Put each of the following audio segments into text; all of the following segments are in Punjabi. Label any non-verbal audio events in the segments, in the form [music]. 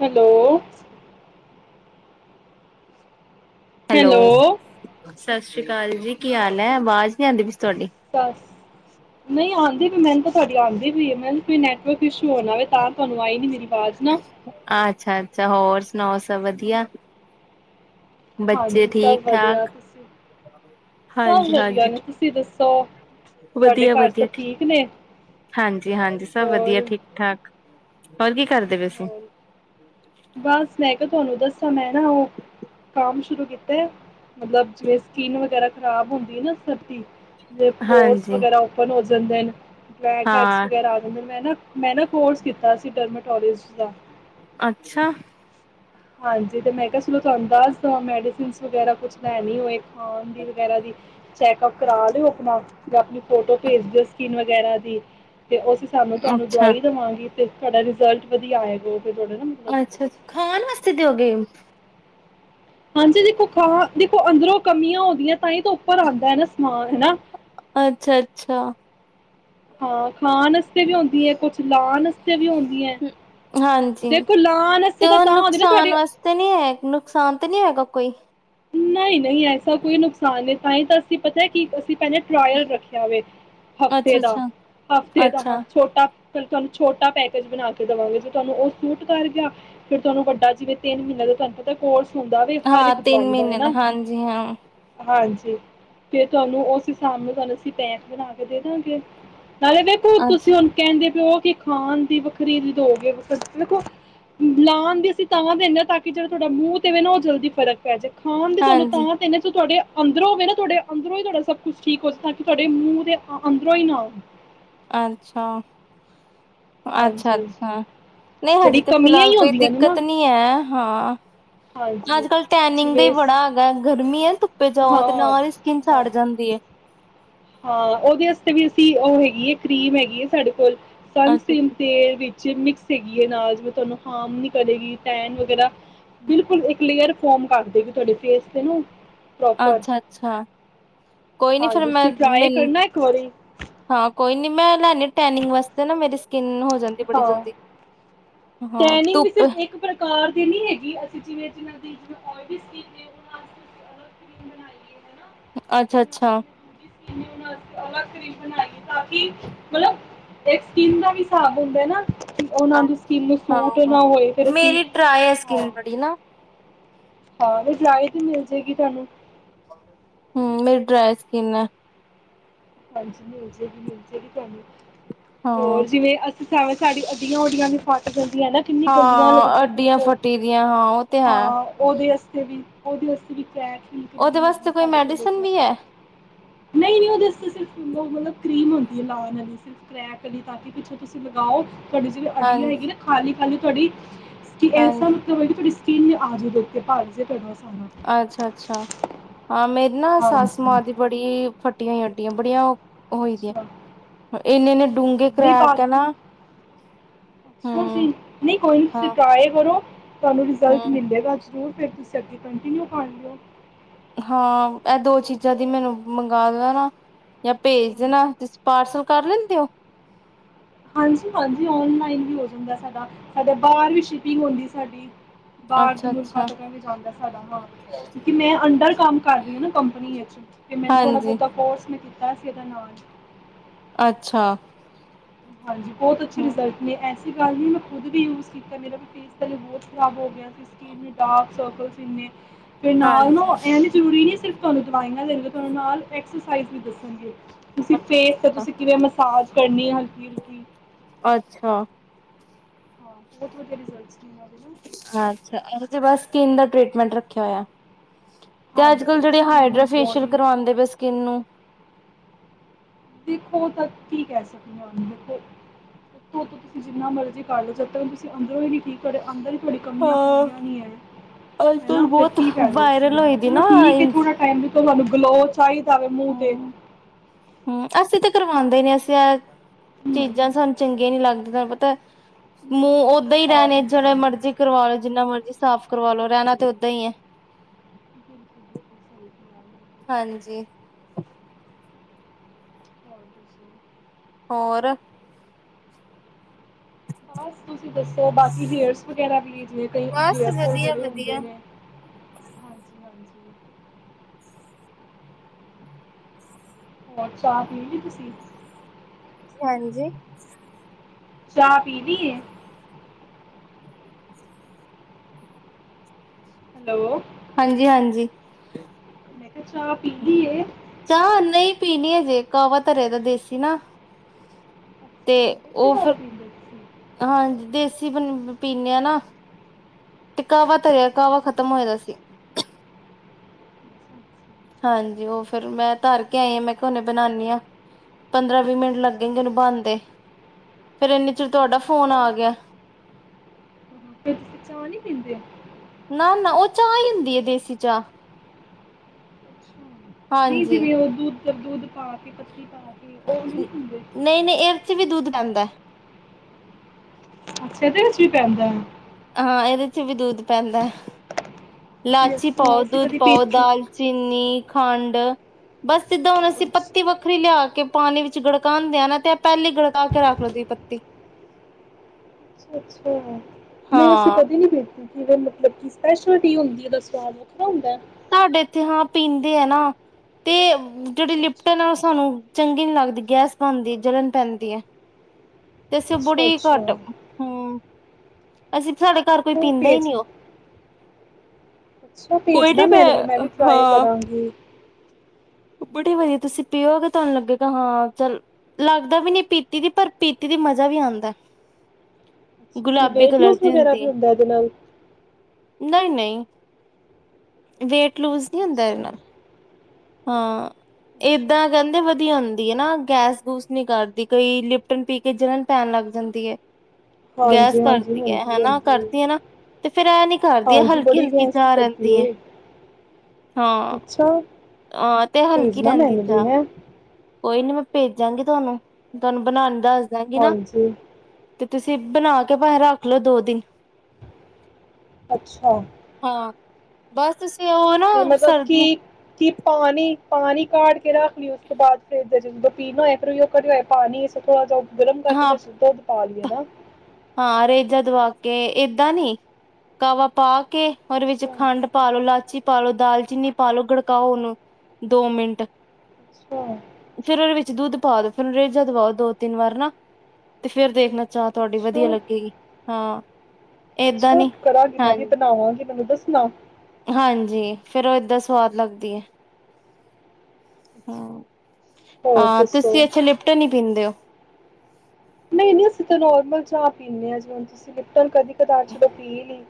ਹੈਲੋ, ਹੈਲੋ, ਸਸ ਰੀ ਕਾਲ ਜੀ ਕੀ ਹਾਲ ਐ, ਆਵਾਜ਼ ਨੀ ਆਂਦੀ ਪਈ ਤੁਹਾਡੀ ਬਸ ਨਹੀਂ ਆਂਦੀ ਵੀ ਮੈਨੂੰ ਤੇ ਤੁਹਾਡੀ ਆਂਦੀ ਈ ਐਲ ਕੋਈ ਨੈਟਵਰਕ ਕੁਛ ਹੋ ਨਾ ਵੇ ਤਾਂ ਤੁਹਾਨੂੰ ਆਈ ਨੀ ਮੇਰੀ ਆਵਾਜ਼ ਨਾ ਅੱਛਾ ਅੱਛਾ ਹੋਰ ਸੁਣਾਓ ਸਭ ਵਧੀਆ। ਬੱਚੇ ਹਾਂਜੀ ਸਭ ਠੀਕ ਵਧੀਆ, ਠਾਕ ਤੁਸੀਂ ਸਭ ਹਾਂਜੀ ਵਧੀਆ ਹਾਂਜੀ ਨੇ ਤੁਸੀਂ ਦੱਸੋ। ਸੌ, ਵਧੀਆ- ਵਧੀਆ ਠੀਕ, ਹਾਂਜੀ-ਹਾਂਜੀ ਸਭ ਵਧੀਆ ਹੋਰ ਠੀਕ-ਠਾਕ। ਹੋਰ ਕੀ ਕਰਦੇ ਪਏ ਸੀ ਹੋਰ ਬਸ ਮੈ ਤੁਹਾਨੂੰ ਦੱਸਾਂ ਮੈਂ ਨਾ ਉਹ ਕੰਮ ਸ਼ੁਰੂ ਕੀਤਾ। ਮਤਲਬ ਜਿਵੇਂ ਸਕਿੰਨ ਵਗੈਰਾ ਖ਼ਰਾਬ ਹੁੰਦੀ ਨਾ ਸਰਦੀ ਪੋਰਸ ਹਾਂਜੀ ਵਗੈਰਾ ਓਪਨ ਹੋ ਜਾਂਦੇ ਨੇ। ਬਲੇਕ ਹੈਡਸ ਹਾਂ ਵਗੈਰਾ ਆ ਜਾਂਦੇ ਮੈਂ ਨਾ ਮੈਂ ਨਾ ਕੋਰਸ ਕੀਤਾ ਸੀ, ਡਰਮਾਟੋਲੋਜੀ ਅੱਛਾ, ਅੱਛਾ, ਹਾਂਜੀ, ਤੇ ਮੈਂ ਕਿਹਾ ਚੋ ਤੁਹਾਨੂੰ ਦੱਸ ਮੈਡੀਸਨ ਵਗੈਰਾ ਕੁਛ ਲੈ ਹੋਏ ਖਾਣ ਦੀ ਵਗੈਰਾ ਦੀ ਚੈਕਪ ਕਰਾ ਲਓ, ਆਪਣਾ ਜਾਂ ਆਪਣੀ ਫੋਟੋ ਭੇਜ ਦਿਓ ਸਕੀਨ ਵਗੈਰਾ ਦੀ ਤੇ ਅਸੀਂ ਸਾਨੂੰ ਤੁਹਾਨੂੰ ਅੱਛਾ ਦਵਾਈ ਦੇਵਾਂਗੀ। ਅਤੇ ਤੁਹਾਡਾ ਰਿਜ਼ਲਟ ਵਧੀਆ ਆਏਗਾ। ਫਿਰ ਤੁਹਾਡਾ ਨਾ ਮਤਲਬ ਅੱਛਾ-ਅੱਛਾ ਖਾਣ ਵਾਸਤੇ, ਦਿੰਦੇ ਹੋ, ਹਾਂਜੀ, ਦੇਖੋ ਖਾਂ ਦੇਖੋ ਅੰਦਰੋਂ ਕਮੀਆਂ ਹੋਣਗੀਆਂ ਤਾਂ ਹੀ ਤਾਂ ਉੱਪਰ ਆਦਾ ਨਾ ਸਮਾਨ ਹਨਾ। ਅੱਛਾ-ਅੱਛਾ, ਹਾਂ, ਖਾਣ ਵਸਤੇ ਵੀ ਹੁੰਦੀ ਹੈ, ਕੁਛ ਲਾਣ- ਤੇ ਵੀ ਹੁੰ, ਹ ਹਾਂਜੀ, ਵਾਸਤੇ ਤੇ ਤਾਂ ਉਹ ਤਾਂ ਹੁੰਦੀ ਨਾ ਤੁਹਾਡੇ ਨੁਕਸਾਨ ਵਾਸਤੇ ਨੀ ਹੈ, ਨੁਕਸਾਨ ਤਾਂ ਨੀ ਹੈਗਾ ਕੋਈ ਨਹੀਂ-ਨਹੀਂ, ਐਸਾ ਕੋਈ ਨੁਕਸਾਨ ਨਹੀਂ ਤਾਂਹੀ ਤਾਂ ਅਸੀਂ ਪਤਾ ਕਿ ਅਸੀਂ ਟਰਾਇਲ ਰੱਖਿਆ ਵੇ ਅੱਛਾ ਹਫਤੇ ਦਾ ਅੱਛਾ ਹਫਤੇ ਦਾ ਅੱਛਾ ਹਾ ਛੋਟਾ, ਤੁਹਾਨੂੰ ਛੋਟਾ ਪੈਕੇਜ ਬਣਾ ਕੇ ਦੇਵਾਂਗੇ ਜੇ ਤੁਹਾਨੂੰ ਉਹ ਸੂਟ ਕਰ ਗਿਆ ਫ਼ਿਰ ਤੁਹਾਨੂੰ ਵੱਡਾ ਜਿਵੇਂ ਤਿੰਨ ਮਹੀਨੇ ਦਾ ਤੁਹਾਨੂੰ ਪਤਾ ਕੋਰਸ ਹੁੰਦਾ ਵੀ ਹਰ ਹਾਂ ਇੱਕ ਤਿੰਨ ਦਵਾਈ ਮਹੀਨੇ ਹਨਾ ਦਾ ਹਾਂਜੀ ਹਾਂ ਹਾਂਜੀ ਤੇ ਤੁਹਾਨੂੰ ਉਸ ਹਿਸਾਬ ਨਾਲ ਤੁਹਾਨੂੰ ਅਸੀਂ ਪੈਂਕ ਬਣਾ ਕੇ ਦੇ ਦਾਂਗੇ ਦੇਖੋ ਤੁਸੀਂ ਅੱਛਾ ਹੁਣ ਕਹਿੰਦੇ ਪਿਓ ਖਾਣ ਦੀ ਵ ਖਰੀਦੋ ਗ ਦੇੋ ਲਾਉਣ ਦੀ ਅਸੀਂ ਤਾਂਹ ਦਿੰਦੇ ਹਾਂ ਤਾਂ ਕਿ ਜਿਹੜਾ ਤੁਹਾਡਾ ਮੂੰਹ ਤੇਵੇ ਨਾ ਉਹ ਜਲਦੀ ਫਰਕ ਕ ਖਾਣ ਦੀ ਤੁਹਾਨੂੰ ਹਾਂਜੀ ਤਾਂ ਤੇਨ ਤੁਹਾਡੇ ਅੰਦਰੋਂ ਹੋ ਗਵੇ ਨਾ ਤੁਹਾਡੇ ਅੰਦਰੋਂ ਤੁਹਾਾ ਸਭ ਕੁਛ ਠੀਕ ਹੋਵੇ ਤਾਂ ਕਿ ਤੁਹਾਡੇ ਮੂੰਹ ਦੇ ਅੰਦਰੋਂ ਹੀ ਨਾ ਆ ਅੱਛਾ ਅੱਛਾ ਹਾਂਜੀ ਅੱਛਾ ਨਹੀਂ ਹਜੇ ਜਿਹੜੀ ਤੇ ਕਮੀਆਂ ਫਿਲਹਾਲ ਹੀ ਕੋਈ ਹੁੰਦੀਆਂ ਨੇ ਨਾ ਦਿੱਕਤ ਨੀ ਹੈ ਹਾਂ ਹਾਂਜੀ ਅੱਜ ਕੱਲ ਟੈਨਿੰਗ ਦਾ ਹੀ ਜਿਵੇਂ ਬੜਾ ਹੈਗਾ ਗਰਮੀ ਹੈ ਧੁੱਪੇ ਜਾਓ ਹਾਂ ਤੇ ਨਾਲ ਹੀ ਸਕਿੰਨ ਹਾਂ ਛੜ ਜਾਂਦੀ ਏ ਹਾਂ ਉਹਦੇ ਵਾਸਤੇ ਵੀ ਅਸੀਂ ਉਹ ਹੈਗੀ ਹੈ ਕਰੀਮ ਹੈਗੀ ਹੈ ਸਾਡੇ ਕੋਲ ਸਨ ਅੱਛਾ ਸਕ੍ਰੀਨ ਅੱਛਾ ਤੇ ਵਿੱਚ ਮਿਕਸ ਹੈਗੀ ਹੈ ਨਾਲ ਜਵੇ ਤੁਹਾਨੂੰ ਹਾਰਮ ਨ ਕਰੇਗੀ ਟੈਨ ਵਗੈਰਾ ਬਿਲਕੁਲ ਇੱਕ ਲੇਅਰ ਫੋਮ ਕਰ ਦੇਗੀ ਤੁਹਾਡੇ ਫੇਸ ਤੇ ਨਾ ਪ੍ਰੋਪਰ ਅੱਛਾ ਅੱਛਾ ਕੋਈ ਨੀ ਫੇਿਰ ਹਾਂਜੀ ਮੈਂ ਤੁਸੀਂ ਟਰਾਈ ਮੈਨੂੰ ਕਰਨਾ ਇੱਕ ਵਾਰੀ ਹਾਂ ਕੋਈ ਨੀ ਮੈਂ ਲੈ ਟੈਨਿੰਗ ਵਾਸਤੇ ਨਾ ਮੇਰੀ ਸਕਿੰਨ ਹੋ ਜਾਂਦੀ ਬੜੀ ਹਾਂ ਜਲਦੀ ਹਾਂ ਟੈਨਿੰਗ ਵੀ ਧੁੱਪ ਸਿਰਫ ਇੱਕ ਪ੍ਰਕਾਰ ਦੀ ਨੀ ਹੈਗੀ ਅਸੀਂ ਜਿਵੇਂ ਫ੍ਰਿਜ ਮੈਂ ਹੋਰ ਵੀ [unintelligible] ਨੇ ਉਹਨਾਂ ਕਰੀਮ ਬਣਾਈਏ। ਅੱਛਾ-ਅੱਛਾ ਕਰੀਮ ਬਣਾਈ ਤਾਂ ਕਿ ਮਤਲਬ ਸਕਿਨ ਦਾ ਵੀ ਸਾਬ ਹੁੰਦਾ ਨਾ। ਉਹਨਾਂ ਦੀ ਹਾਂ ਹਾਂ ਮੇਰੀ ਡਰਾਈ ਹੈ ਹਾਂ ਸਕਿਨ ਬੜੀ ਨਾ। ਹਾਂ ਇਹ [unintelligible] ਤੇ ਮਿਲ ਜਾਏਗੀ ਤੁਹਾਨੂੰ। ਹਮ ਮੇਰੀ ਡਰਾਏ ਸਕਿੰਨ ਹੈ। ਹਾਂਜੀ ਮਿਲ ਜਏਗੀ ਮਿਲ ਜਾਏਗੀ ਤੁਹਾਨੂੰ। ਹਾਂ ਹੋਰ ਜਿਵੇਂ ਜਿਵੇਂ ਸਾਡੀ ਅੱਡੀਆਂ ਉਡੀਆਂ ਵੀ ਫਟ ਜਾਂਦੀ ਆਂ ਨਾ ਕਿੰਨੀ ਗੰਦੀਆਂ ਹਾਂ ਲੱਗਦੀਆਂ ਅੱਡੀਆਂ ਪਿੱਛੋਂ, ਫੱਟੀ ਦੀਆਂ ਹਾਂ ਉਹ ਤੇ ਹੈ ਹਾਂ ਉਹਦੇ ਆਸਤੇ ਵੀ ਉਹਦੇ ਆਸਤੇ ਵੀ ਨੈਚੁਰਲ ਉਹਦੇ ਕਰੀਮ ਵਾਸਤੇ ਮਿਲਦੀ ਕੋਈ ਸਾਡੇ ਕੋਲ ਇੱਕ, ਮੈਡੀਸਨ ਵੀ ਹੈ ਨਹੀਂ-ਨਹੀਂ ਉਹਦੇ ਮਤਲਬ ਕਰੀਮ ਹੁੰਦੀ ਲਾਉਣ ਆਸਤੇ [unintelligible] [unintelligible] ਤਾਂ ਕਿ ਪਿੱਛੋਂ ਤੁਸੀਂ ਲਗਾਓ। ਤੁਹਾਡੀ ਜਿਹੜੀ ਅੱਡੀਆਂ ਹਾਂਜੀ ਹੈਗੀਆ ਨਾ ਖਾਲੀ-ਖਾਲੀ ਤੁਹਾਡੀ ਕਿ ਇਸ ਦਾ ਹਾਂਜੀ ਮਤਲਬ ਹੈ ਕਿ ਤੁਹਾਡੀ ਪੀਲ ਆ ਜਾਵੇ ਉੱਤੇ ਭਾਰ ਕੇ ਪੈਣ ਵਾਸਤੇ ਅੱਛਾ-ਅੱਛਾ, ਹਾਂ ਮੇਰੀ ਨਾ ਹਾਂਜੀ ਸੱਸ ਮਾਂ ਦੀ ਬੜੀ ਫਟ ਟੀਆਂ ਅੱਡੀਆਂ ਬੜੀਆ ਅੱਛਾ, ਡੂੰਘੇ ਨਹੀ ਪਾ ਕਰੈਕ ਹੈ ਨਾ ਕੇ, ਅੱਛਾ ਜੀ ਹਮ ਨਹੀਂ ਕੋਈ ਨੀ ਤੁਸੀਂ ਹਾਂ ਟਰਾਏ ਕਰੋ। ਤੁਹਾਨੂੰ ਰਿਜ਼ਲਟ ਹਮ ਮਿਲੇਗਾ ਜਰੂਰ। ਫਿਰ ਤੁਸੀਂ ਅੱਗੇ ਕੰਟੀਨਿਊ ਕਰ ਲਿਓ। ਹਾਂ ਇਹ ਦੋ ਚੀਜ਼ਾਂ ਦੀ ਮੈਨੂੰ ਮੰਗਾ ਦੇਣਾ। ਜਾਂ ਭੇਜ ਦੇਣਾ ਹਾਂਜੀ ਤੁਸੀਂ ਪਾਰਸਲ ਕਰ ਲੈਂਦੇ ਹੋ? ਹਾਂਜੀ-ਹਾਂਜੀ ਓਨਲਾਈਨ ਵੀ ਹੋ ਜਾਂਦਾ ਸਾਡਾ, ਸਾਡਾ ਬਾਹਰ ਵੀ ਸ਼ਿਪਿੰਗ ਹੁੰਦੀ ਸਾਡੀ। ਬਾਹਰ ਦੇ ਅੱਛਾ ਮੁਲਕਾਂ ਅੱਛਾ ਤੋਂ ਕਿਉਂਕਿ ਜਾਂਦਾ ਸਾਡਾ ਮਾਲ, ਕਿਉਂਕਿ ਮੈਂ ਅੰਡਰ ਕੰਮ ਕਰ ਰਹੀ ਆ ਨਾ ਕੰਪਨੀ ਵਿਚ ਤੇ ਮੈਨੂੰ ਹਾਂਜੀ ਥੋੜਾ-ਬਹੁਤਾ ਕੋਰਸ ਮਿਲ ਐ ਸੀ ਇਹਦੇ ਨਾਲ। ਅੱਛਾ ਹਾਂਜੀ ਬਹੁਤ ਅੱਛੇ ਹਮ ਰਿਜ਼ਲਟ ਨੇ ਐ ਅ ਗੱਲ ਨਹੀਂ ਮੈਂ ਖੁਦ ਵੀ ਯੂਜ ਕੀਤਾ ਮੇਰਾ ਵੀ ਫੇਸ ਪਹਿਲੇ ਬਹੁਤ ਖਰਾਬ ਹੋ ਗਿਆ ਸੀ ਸਕਿੰਨ ਡਾਰਕ ਸਰਕਲਜ਼ ਇੰਨੇ ਤੇ ਨਾਲ ਹਾਂਜੀ ਨਾ ਐ ਜ਼ਰੂਰੀ ਨ ਸਿ ਤੁਹਾਨੂੰ ਦਵਾਈਆਂ ਦੇਣਗੇ ਤੁਹਾਨੂੰ ਨਾਲ ਐਕਸਸਾਈ ਵੀ ਦੱਸਣਗੇ ਤੁਸੀਂ ਫੇਸ ਤੇ ਅੱਛਾ ਤੁਸੀਂ ਕਿਵੇਂ ਮਸਾਜ ਕਰਨੀ ਹੈ ਹਿਲਕੀ ਅੱਛਾ ਹਾਂ ਬਹੁਤ ਵਧੀਆ ਰਿਜਲਟਸ ਨੇ ਦੇ ਨਾ। ਅਛਾ ਇਹੋ ਬਸ ਸਕਿਨ ਦਾ ਟ੍ਰਰੀਟਮੈਂਟ ਰੱਖਿਆ ਹੋਇਆ ਤੇ ਅੱਜ ਕੱਲ੍ਹ ਜਿਹੜੇ ਹਾਈਡਰਾ ਫੇਸ਼ੀਅਲ ਕਰਵਾਉਂਦੇ ਪਏ ਸਕਿੰਨ ਨੂੰ ਦੇਖੋ ਤਾਂ ਠੀਕ ਕਹਿ ਸਕਦੇ ਉਹਨੂੰ ਦੇਖੋ ਦੇੋ ਤੁਸੀਂ ਜਿੰਨਾ ਮਰਜ਼ੀ ਕਰ ਲਓ ਜਦ ਤੱਕ ਤੁਸੀਂ ਅੰਦਰੋਂ ਹੀ ਨੀ ਠੀਕ ਕਰੇ ਅੰਦਰ ਤੁਹਾਡੀ ਕਮੀਆਂ ਹਾਂ ਪੂਰੀਆਂ ਨੀ ਹੈ ਅੱਜ ਹਨਾ ਕੱਲ ਤੇ ਬਹੁਤ ਕੀ ਫ਼ਾਇਦਾ ਉਸ ਚੀਜ਼ ਵਾਇਰਲ ਹੋਈ ਨਾਲ ਦੀ ਚਲੋ ਨਾ ਠੀਕ ਹੈ ਹਮ ਥੋੜਾ ਟਾਈਮ ਦਿੱ ਤੁਹਾਨੂੰ ਗਲੋ ਪਾਵੇ ਮੂੰਹ ਤੇ ਹਮ ਅਸੀਂ ਤਾਂ ਕਰਵਾਉਂਦੇ ਨੀ [unintelligible] ਨਹੀਂ ਚੀਜ਼ਾਂ ਸਾਨੂੰ ਚੰਗੀਆਂ ਨੀ ਲੱਗਦੀਆਂ ਤੁਹਾਨੂੰ ਪਤਾ ਨਹੀਂ ਮੂੰਹ ਓਦਾਂ ਅਸੀਂ ਹੀ ਤਾਂ ਆਪ ਰਹਿਣੇ ਨਹੀਂ ਜਿਹੜੇ ਕਰਾਉਂਦੇ ਮਰਜ਼ੀ ਕਰਵਾ ਲਓ ਜਿੰਨਾ ਮਰਜ਼ ਸਾਫ਼ ਕਰਵਾਾਲੋ ਬਿਲਕੁਲ ਰਹਿਣਾ ਬਿਲਕੁਲ ਤੇ ਓਦਾਂ ਹੀ ਹੈ ਬਿਲਕੁਲ ਸਹੀ ਕਿਹਾ ਜੀ। ਹਾਂਜੀ ਹੋਰ ਦੱਸੋ ਹੋਰ ਬਸ ਤੁਸੀਂ ਦੱਸੋ ਬਾਕੀ ਹੇਰਸ ਵਗੈਰਾ ਵੀ ਜਿਵੇ ਕਈ ਬਸ ਹੇਅਰ ਫੋਲ ਵਧੀਆ ਬੜੇ ਹੁੰਦੇ ਵਧੀਆ ਨੇ ਹਾਂਜੀ ਹਾਂਜੀ ਹੋਰ ਚਾਹ ਪੀ ਲੀ ਤੁਸੀਂ ਹਾਂਜੀ ਚਾਹ ਪੀ ਲਈ [unintelligible] ਹੈਲੋ ਹਾਂਜੀ ਹਾਂਜੀ ਮੈਂ ਕਿਹਾ ਚਾਹ ਪੀਲੀ ਚਾਹ ਨਹੀਂ ਪੀਣੀ ਹਜੇ ਕਾਹਵਾ ਧਰੇ ਦਾ ਦੇਸੀ ਨਾ ਤੇ ਅੱਛਾ ਵੈਸੇ ਉਹ ਕਾਹਦਾ ਫਿਰ ਪੀਂਦੇ ਤੁਸੀਂ ਹਾਂਜੀ ਦੇਸੀ ਪੀਂਨ ਆ ਨਾ ਤੇ ਕਾਹਵਾ ਤਰਿਆ ਕਾਹਵਾ ਅੱਛਾ ਖਤਮ ਹੋਏਦਾ ਸੀ ਹਾਂਜੀ ਉਹ ਫੇਿਰ ਮੈਂ ਤਰ ਕੇ ਆਈ ਆਾਂ ਮੈਂਨੇ ਬਣਾਾਨਦੀ ਆਾਂ ਪੰਦਰਾਂ ਵੀਹ ਮਿੰਟ ਲੱਗੇਨੂੰ ਬਣਦੇ ਫੇਿਰ ਇਨੇ ਅੱਛਾ ਚਿਰ ਅੱਛਾ ਅੱਛਾ ਤੁਹਾਡਾ ਅੱਛਾ ਅੱਛਾ ਫੋਨ ਚਾਹ ਹਾਂ, ਆ ਗਿਆ ਉਹ ਨੀ ਪਿੰਦੇ ਆ ਨਾ ਨਾ ਉਹ ਚਾਹ ਹੀ ਹੁੰਦੀ ਹੈ ਦੇਸੀ ਚਾਹ ਅੱਛਾ ਨਹੀਂ ਜੀ ਹਾਂਜੀ। ਵੀ ਉਹ ਦੂ ਦੂਧ ਪਾ ਕੇ ਪੱਤੀ ਪਾ ਕੇ ਉਹ ਨੀ ਪੀਂਦੇ ਨਹੀਂ ਨਹੀਂ ਇਹਦੇ ਚ ਵੀ ਦੁੱਧ ਪੈਂਦਾ ਅੱਛਾ ਇਹਦੇ ਵਿੱਚ ਵੀ ਪੈਂਦਾ ਹੈ ਹਾਂ ਇਹਦੇ ਚ ਵੀ ਦੁੱਧ ਪੈਂਦਾ ਹੈ ਤੇ ਲਾਚੀ ਅੱਛਾ ਪਾਓ ਅਸੀਂ ਦੁੱਧ ਕਦੀ ਪਾਓ ਪੀਤੀ ਦਾਲ ਚੀਨੀ ਖੰਡ ਬਸ ਸਿੱਦਾਂ ਹੁਣ ਅੱਛਾ ਅਸੀਂ ਪੱਤੀ ਵੱਖਰੀ ਲਿਆ ਕੇ ਪਾਣੀ ਵਿੱਚ ਗੜਕਾਂਦੇ ਆ ਨਾ ਤੇ ਇਹ ਪਹਿਲੀ ਗੜਕਾ ਕੇ ਰੱਖ ਲਓ ਪੱਤੀ ਅੱਛਾ ਅੱਛਾ ਨਹੀਂ ਅਸੀਂ ਹਾਂ ਕਦੇ ਨਹੀਂ ਬੇਠੇ ਜੈ ਮਤਲਬ ਕਿ ਸਪੈਸ਼ਲਿਟੀ ਹੁੰਦੀ ਉਹਦਾ ਸਵਾਦ ਵੱਖਰਾ ਹੁੰਦਾ ਸਾਡੇ ਇੱਥੇ ਹਾਂ ਪੀਂਦੇ ਆ ਨਾ ਤੇ ਜਿਹੜੀ ਲਿਪਟਨ ਆ ਉਹ ਸਾਨੂੰ ਚੰਗੀ ਨੀ ਲੱਗਦੀ ਗੈਸ ਬਣਦੀ ਜਲਣ ਪੈਂਦੀ ਤੇਸੀ ਅੱਛਾ ਬੜੀ ਘਟ ਅੱਛਾ ਹਮ ਅਸੀਂ ਸਾਡੇ ਘਰ ਕੋਈ ਉਹ ਪੀਂਦਾ ਹੀ ਪੇਜ ਨਹੀਂ ਉਹ ਅੱਛਾ ਕੋਈ ਭੇਜਣਾ ਨੀ ਮੈਨੂੰ ਵੀ ਮੈਂ ਵੀ ਟਰਾਈ ਹਾਂ ਕਰਾਂਗੀ ਬੜੀ ਵਧੀਆ ਤੁਸੀਂ ਪੀਓਗੇ ਤੁਹਾਨੂੰ ਲੱਗੇਗਾ ਹਾਂ ਚੱਲ ਲੱਗਦਾ ਵੀ ਨਹੀਂੀ ਪੀਤੀ ਦੀ ਪਰ ਪੀਤੀ ਦਾ ਮਜ਼ਾ ਵੀ ਆਉਂਦਾ ਕਿ ਗੁਲਾਬੀ ਵੇਟ ਕਲਰ ਲੂਸ ਦੀ ਵਗ਼ੈਰਾ ਹੁੰਦੀ ਵੀ ਹੈ ਹੁੰਦਾ ਇਹਦੇ ਨਾਲ ਨਹੀਂ ਨਹੀਂ ਵੇਟ ਲੂਜ਼ ਨਹੀਂ ਹੁੰਦਾ ਇਹ ਅੱਛਾ, ਦੇ ਨਾਲ ਹਾਂ ਅੱਛਾ। ਏਦਾਂ ਕਹਿੰਦੇ ਵਧੀਆ ਹੁੰਦੀ ਹੈ ਨਾ ਗੈਸ ਗੂਸ ਨਹੀਂ ਕਰਦੀ ਕਈ ਲਿਪਟਨ ਪੀ ਕੇ ਜਲਣ ਪੈਣ ਲੱਗ ਜਾਂਦੀ ਹੈ ਗੈਸ ਹਾਂਜੀ-ਹਾਂਜੀ ਕਰਦੀ ਹੈ ਹੁੰਦੀ ਹਨਾ ਹੁੰਦੀ ਏ। ਕਰਦੀ ਹੈ ਨਾ ਤੇ ਫਿਰ ਇਹ ਨੀ ਕਰਦੀ ਹੈ ਹਾਂਜੀ ਹਲਕੀ ਬੜੀ ਹਲਕੀ ਗੈਸ ਚਾਹ ਕਰਦੀ ਰਹਿੰਦੀ ਹੈ ਏ। ਹਾਂ ਅੱਛਾ ਅਹ ਤੇ ਹਲਕੀ ਭੇਜਣਾ ਰਹਿੰਦੀ ਮੈਨੂੰ ਵੀ ਚਾਹ ਹੈਂ, ਕੋਈ ਨੀ ਮੈਂ ਭੇਜਾਂਗੀ ਤੁਹਾਨੂੰ ਤੁਹਾਨੂੰ ਬਣਾਉਣ ਦੱਸ ਦਾਂਗੀ ਨਾ ਹਾਂਜੀ ਤੇ ਤੁਸੀਂ ਬਣਾ ਕੇ ਭਾਵੇ ਰੱਖ ਲਓ ਦੋ ਦਿਨ ਅੱਛਾ ਹਾਂ ਬਸ ਤੁਸੀ ਤੇ ਮਤਲਬ ਕੀ ਕੀ ਪਾਣੀ ਪਾਣੀ ਕਾੜ ਕੇ ਰੱਖ ਲਈ ਉਸ ਤੋਂ ਬਾਅਦ ਫਰਿੱਜ ਚ ਜਦੋਂ ਪੀਣਾ ਹੋਏ ਫਿਰ ਉਹ ਕਰੀ ਹੋਇਆ ਪਾਣੀ ਇਸੇ ਥੋੜਾ ਜਿਹਾ ਗਰਮ ਕਰਕੇ ਹਾਂ ਦੇ ਪਾ ਲਈਏ ਨਾ ਹਾਂ ਰੇਜਾ ਦਵਾ ਕੇ ਏਦਾਂ ਨੀ ਕਾਵਾ ਪਾ ਕੇ ਉਹਦੇ ਵਿੱਚ ਅੱਛਾ। ਖੰਡ ਪਾਲੋ ਇਲਾਚੀ ਪਾਾਲੋ ਦਾਲਚੀਨੀ ਪਾ ਲੋੋ ਗੜਕਾਓ ਉਹਨੂੰ ਦੋ ਮਿੰਟ ਅੱਛਾ, ਫੇਿਰ ਉਹਦੇ ਵਿੱਚ ਦੁੱਧ ਪਾ ਦ ਫੇਿਰ ਰੇਜਾ ਦਵਾ ਦੋ ਤਿੰਨ ਵਾਰ ਨਾ ਤੇ ਫੇਰ ਦੇਖਣਾ ਚਾਹ ਤੁਹਾਡੀ ਵ ਅੱਛਾ, ਏਦਾਂ ਅੱਛਾ ਨੀ ਕਰਾਂਗੀ ਮੈਂ ਵੀ ਹਾਂਜੀ ਬਣਾਵਾਂਗੀ ਮੈਨੂੰ ਦੱਸ ਸੁਣਾਓ ਹਾਂਜੀ ਫੇਰ ਉਹ ਏਦਾਂ ਸਵਾਦ ਲੱਗਦੀ ਹੈ ਅੱਛਾ। ਹਮ ਹੋਰ ਹਾਂ ਦੱਸੋ? ਤੁਸੀਂ ਇੱਥੇ ਲਿਪਟਨ ਹੀ ਪੀਂਦੇ ਹੋ [inaudible] ਨਹੀਂ ਨਹੀਂ ਅਸੀਂ ਤਾਂ ਨੋਰਮਲ ਚਾਹ ਪੀਂਦੇ ਹਾਂ ਜੀ ਹੁਣ ਤੁਸੀਂ ਲਿਪਟਨ ਕਦੇ ਕਦਾਰ ਚ ਤਾਂ ਪੀ ਨਹੀਂ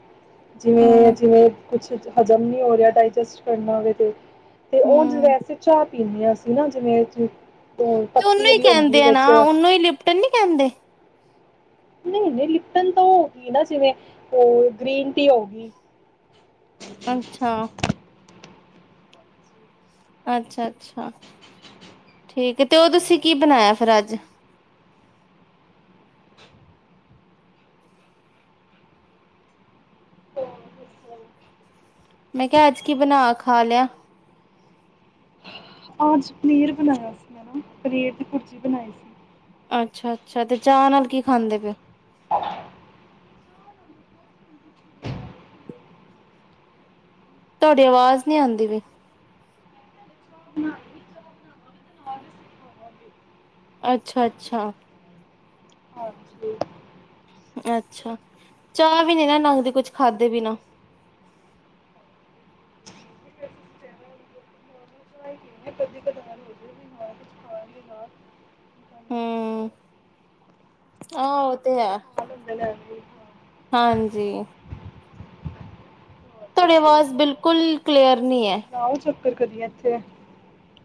ਜਿਵੇਂ ਹਾਂ ਜਿਵੇਂ ਕੁਛ ਹਜ਼ਮ ਨ ਹੋ ਰਿਹਾ ਡਾਇਜਸਟ ਕਰਨਾ ਹੋਵੇ ਤੇ ਤੇ ਹੁਣ ਜ ਹਮ ਵੈਸੇ ਚਾ ਪੀਂਦੇ ਹ ਅਸੀ ਨਾ ਜਿਵੇਂ ਚ ਤੇ ਉਹਨੂੰ ਹੀ ਕਹਿੰਦੇ ਆ ਨਾ ਉਹਨੂੰ ਹੀ ਲਿਪਟਨ ਨੀ ਕਹਿੰਦੇ ਨਹੀਂ ਨਹੀਂ ਲਿਪਟਨ ਤਾਂ ਹੋ ਗ ਨਾ ਜਿਵੇਂ ਹੋਰ ਗ੍ਰੀਨ ਟੀ ਹੋ ਗਈ ਅੱਛਾ ਅੱਛਾ ਅੱਛਾ ਠੀਕ ਤੇ ਉਹ ਤੁਸੀਂ ਕੀ ਬਣਾਇਆ ਫਿਰ ਅੱਜ ਮੈਂ ਕਿਹਾ ਅੱਜ ਕੀ ਬਣਾ ਖਾ ਲਿਆ ਅਜ ਪਨੀਰ ਬਣਾਇਆ ਸੀ ਮੈਂ ਨਾ ਪਨੀਰ ਦੀ ਕੁਰਜੀ ਬਣਾਈ ਸੀ ਅੱਛਾ ਅੱਛਾ ਤੇ ਚਾਹ ਨਾਲ ਕੀ ਖਾਂਦੇ ਪਓ ਤੁਹਾਡੀ ਆਵਾਜ਼ ਨਹੀਂੀ ਆਉਂਦੀ ਵੀਈ ਅੱਛਾ ਅੱਛਾ ਹਾਂਜੀ। ਅੱਛਾ ਚਾਹ ਵੀ ਨੇ ਨਾ ਨੰਗ ਦੇ ਕੁਛ ਖਾਧੇ ਬੀ ਨਾ ਕਦੀ ਕਦਾਰ ਹੋ ਜੇ ਵੀ ਹਾਂ ਕੁਝ ਖਾ ਲਿਆ ਨਾ ਹਮ ਆਹ ਉਹ ਤੇ ਸਾਡੇ ਹੈ ਕੋਲ ਹੁੰਦੇ ਨੇ ਵੀ ਹਾਂ ਹਾਂਜੀ ਹੋਰ ਤੁਹਾਡੀੇ ਦੱਸੋ ਆਵਾਜ਼ ਬਿਲਕੁਲ ਕਲੀਅਰ ਕਰਨਨੀ ਹੈ ੱਕਰ ਕਰਦੀੀ ਜਾਥੇ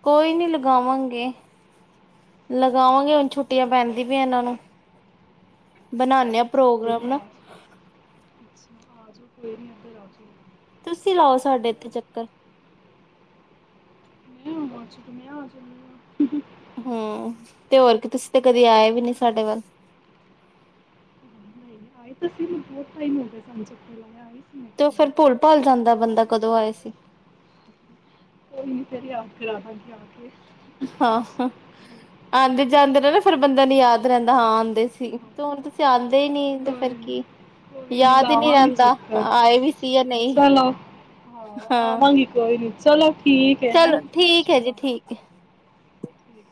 ਕੋਈ ਨੀ ਲਗਾਵਾਂਗੇ ਲਗਾਵਾਂਗੇ ਹੁਣ ਛੁੱਟੀਆਂ ਪੈਂਦੀ ਪ ਇਹਨਾਂ ਨੂੰ ਬਨਾਾਨੇ ਆ ਅੱਛਾ ਕੋਈ ਪ੍ਰੋਗਰਾਮ ਨਹੀਂ ਨਾ ਆ ਜਾਓ ੀ ਤੁਸੀਂ ਲਾਓ ਸਾਡੇ ਇੱਥੇ ਚੱਕਰ ਮ ਚਦੀ ਹੀਆਂ ਹਮ ਤੇ ਹੋਰ ਕੀ ਤੁਸੀਂ ਤੇ ਕਦੇ ਆਏ ਵੀ ਨੀ ਸਾਡੇ ਵੱਲ ਆਏ ਤਸੇ ਮ ਬਹੁਤ ਟਾਈਮ ਹੋ ਗਿਆ ਸਮਝ ਕੋਲਾ ਆਈ ਸੀ ਮੈਂ ਤੇ ਇੱਕ ਫੇਿਰ ਵਾਰੀ। ਭੁੱਲ ਭਾਲ ਜਾਂਦਾ ਬੰਦਾ ਕਦੋਂ ਆਏ ਸੀ ਕੋਈ ਨੀ ਫ ਆ ਕਰਵਾਂਗੇ ਆ ਕੇ ਹਾਂ ਆਉਂਦੇ ਜਾਂਦੇ ਰ ਨਾ ਫਿਰ ਬੰਦਾ ਨੂੰ ਯਾਦ ਰਹਿੰਦਾ ਹਾਂ ਆਉਂਦੇ ਸੀ ਹਾਂ ਤੇ ਹੁਣ ਤੁਸੀਂ ਆਉਂਦੇ ਹੀ ਨੀ ਤੇ ਕੋਈ ਫਿਰ ਨੀ, ਕੀ ਕੋਈ ਨੀ ਯਾਦ ਹੀ ਨਹੀਂੀ ਲਾਵਾਂਗੀ ਰਹਿੰਦਾ ਚੱਕਰ ਆਏ ਵੀ ਸੀ ਜਾਂ ਨਹੀਂ ਚਲੋ ਹਾਂ ਹਾਂ ਆਵਾਂਗੀ ਕੋਈ ਨੀ ਚਲੋ ਠੀਕ ਹੈ ਹੈਂ ਚਲੋ ਸਤਿ ਠੀਕ ਸ਼੍ਰੀ ਏ ਜੀ ਅਕਾਲ ਠੀਕ ਏ ਠੀਕ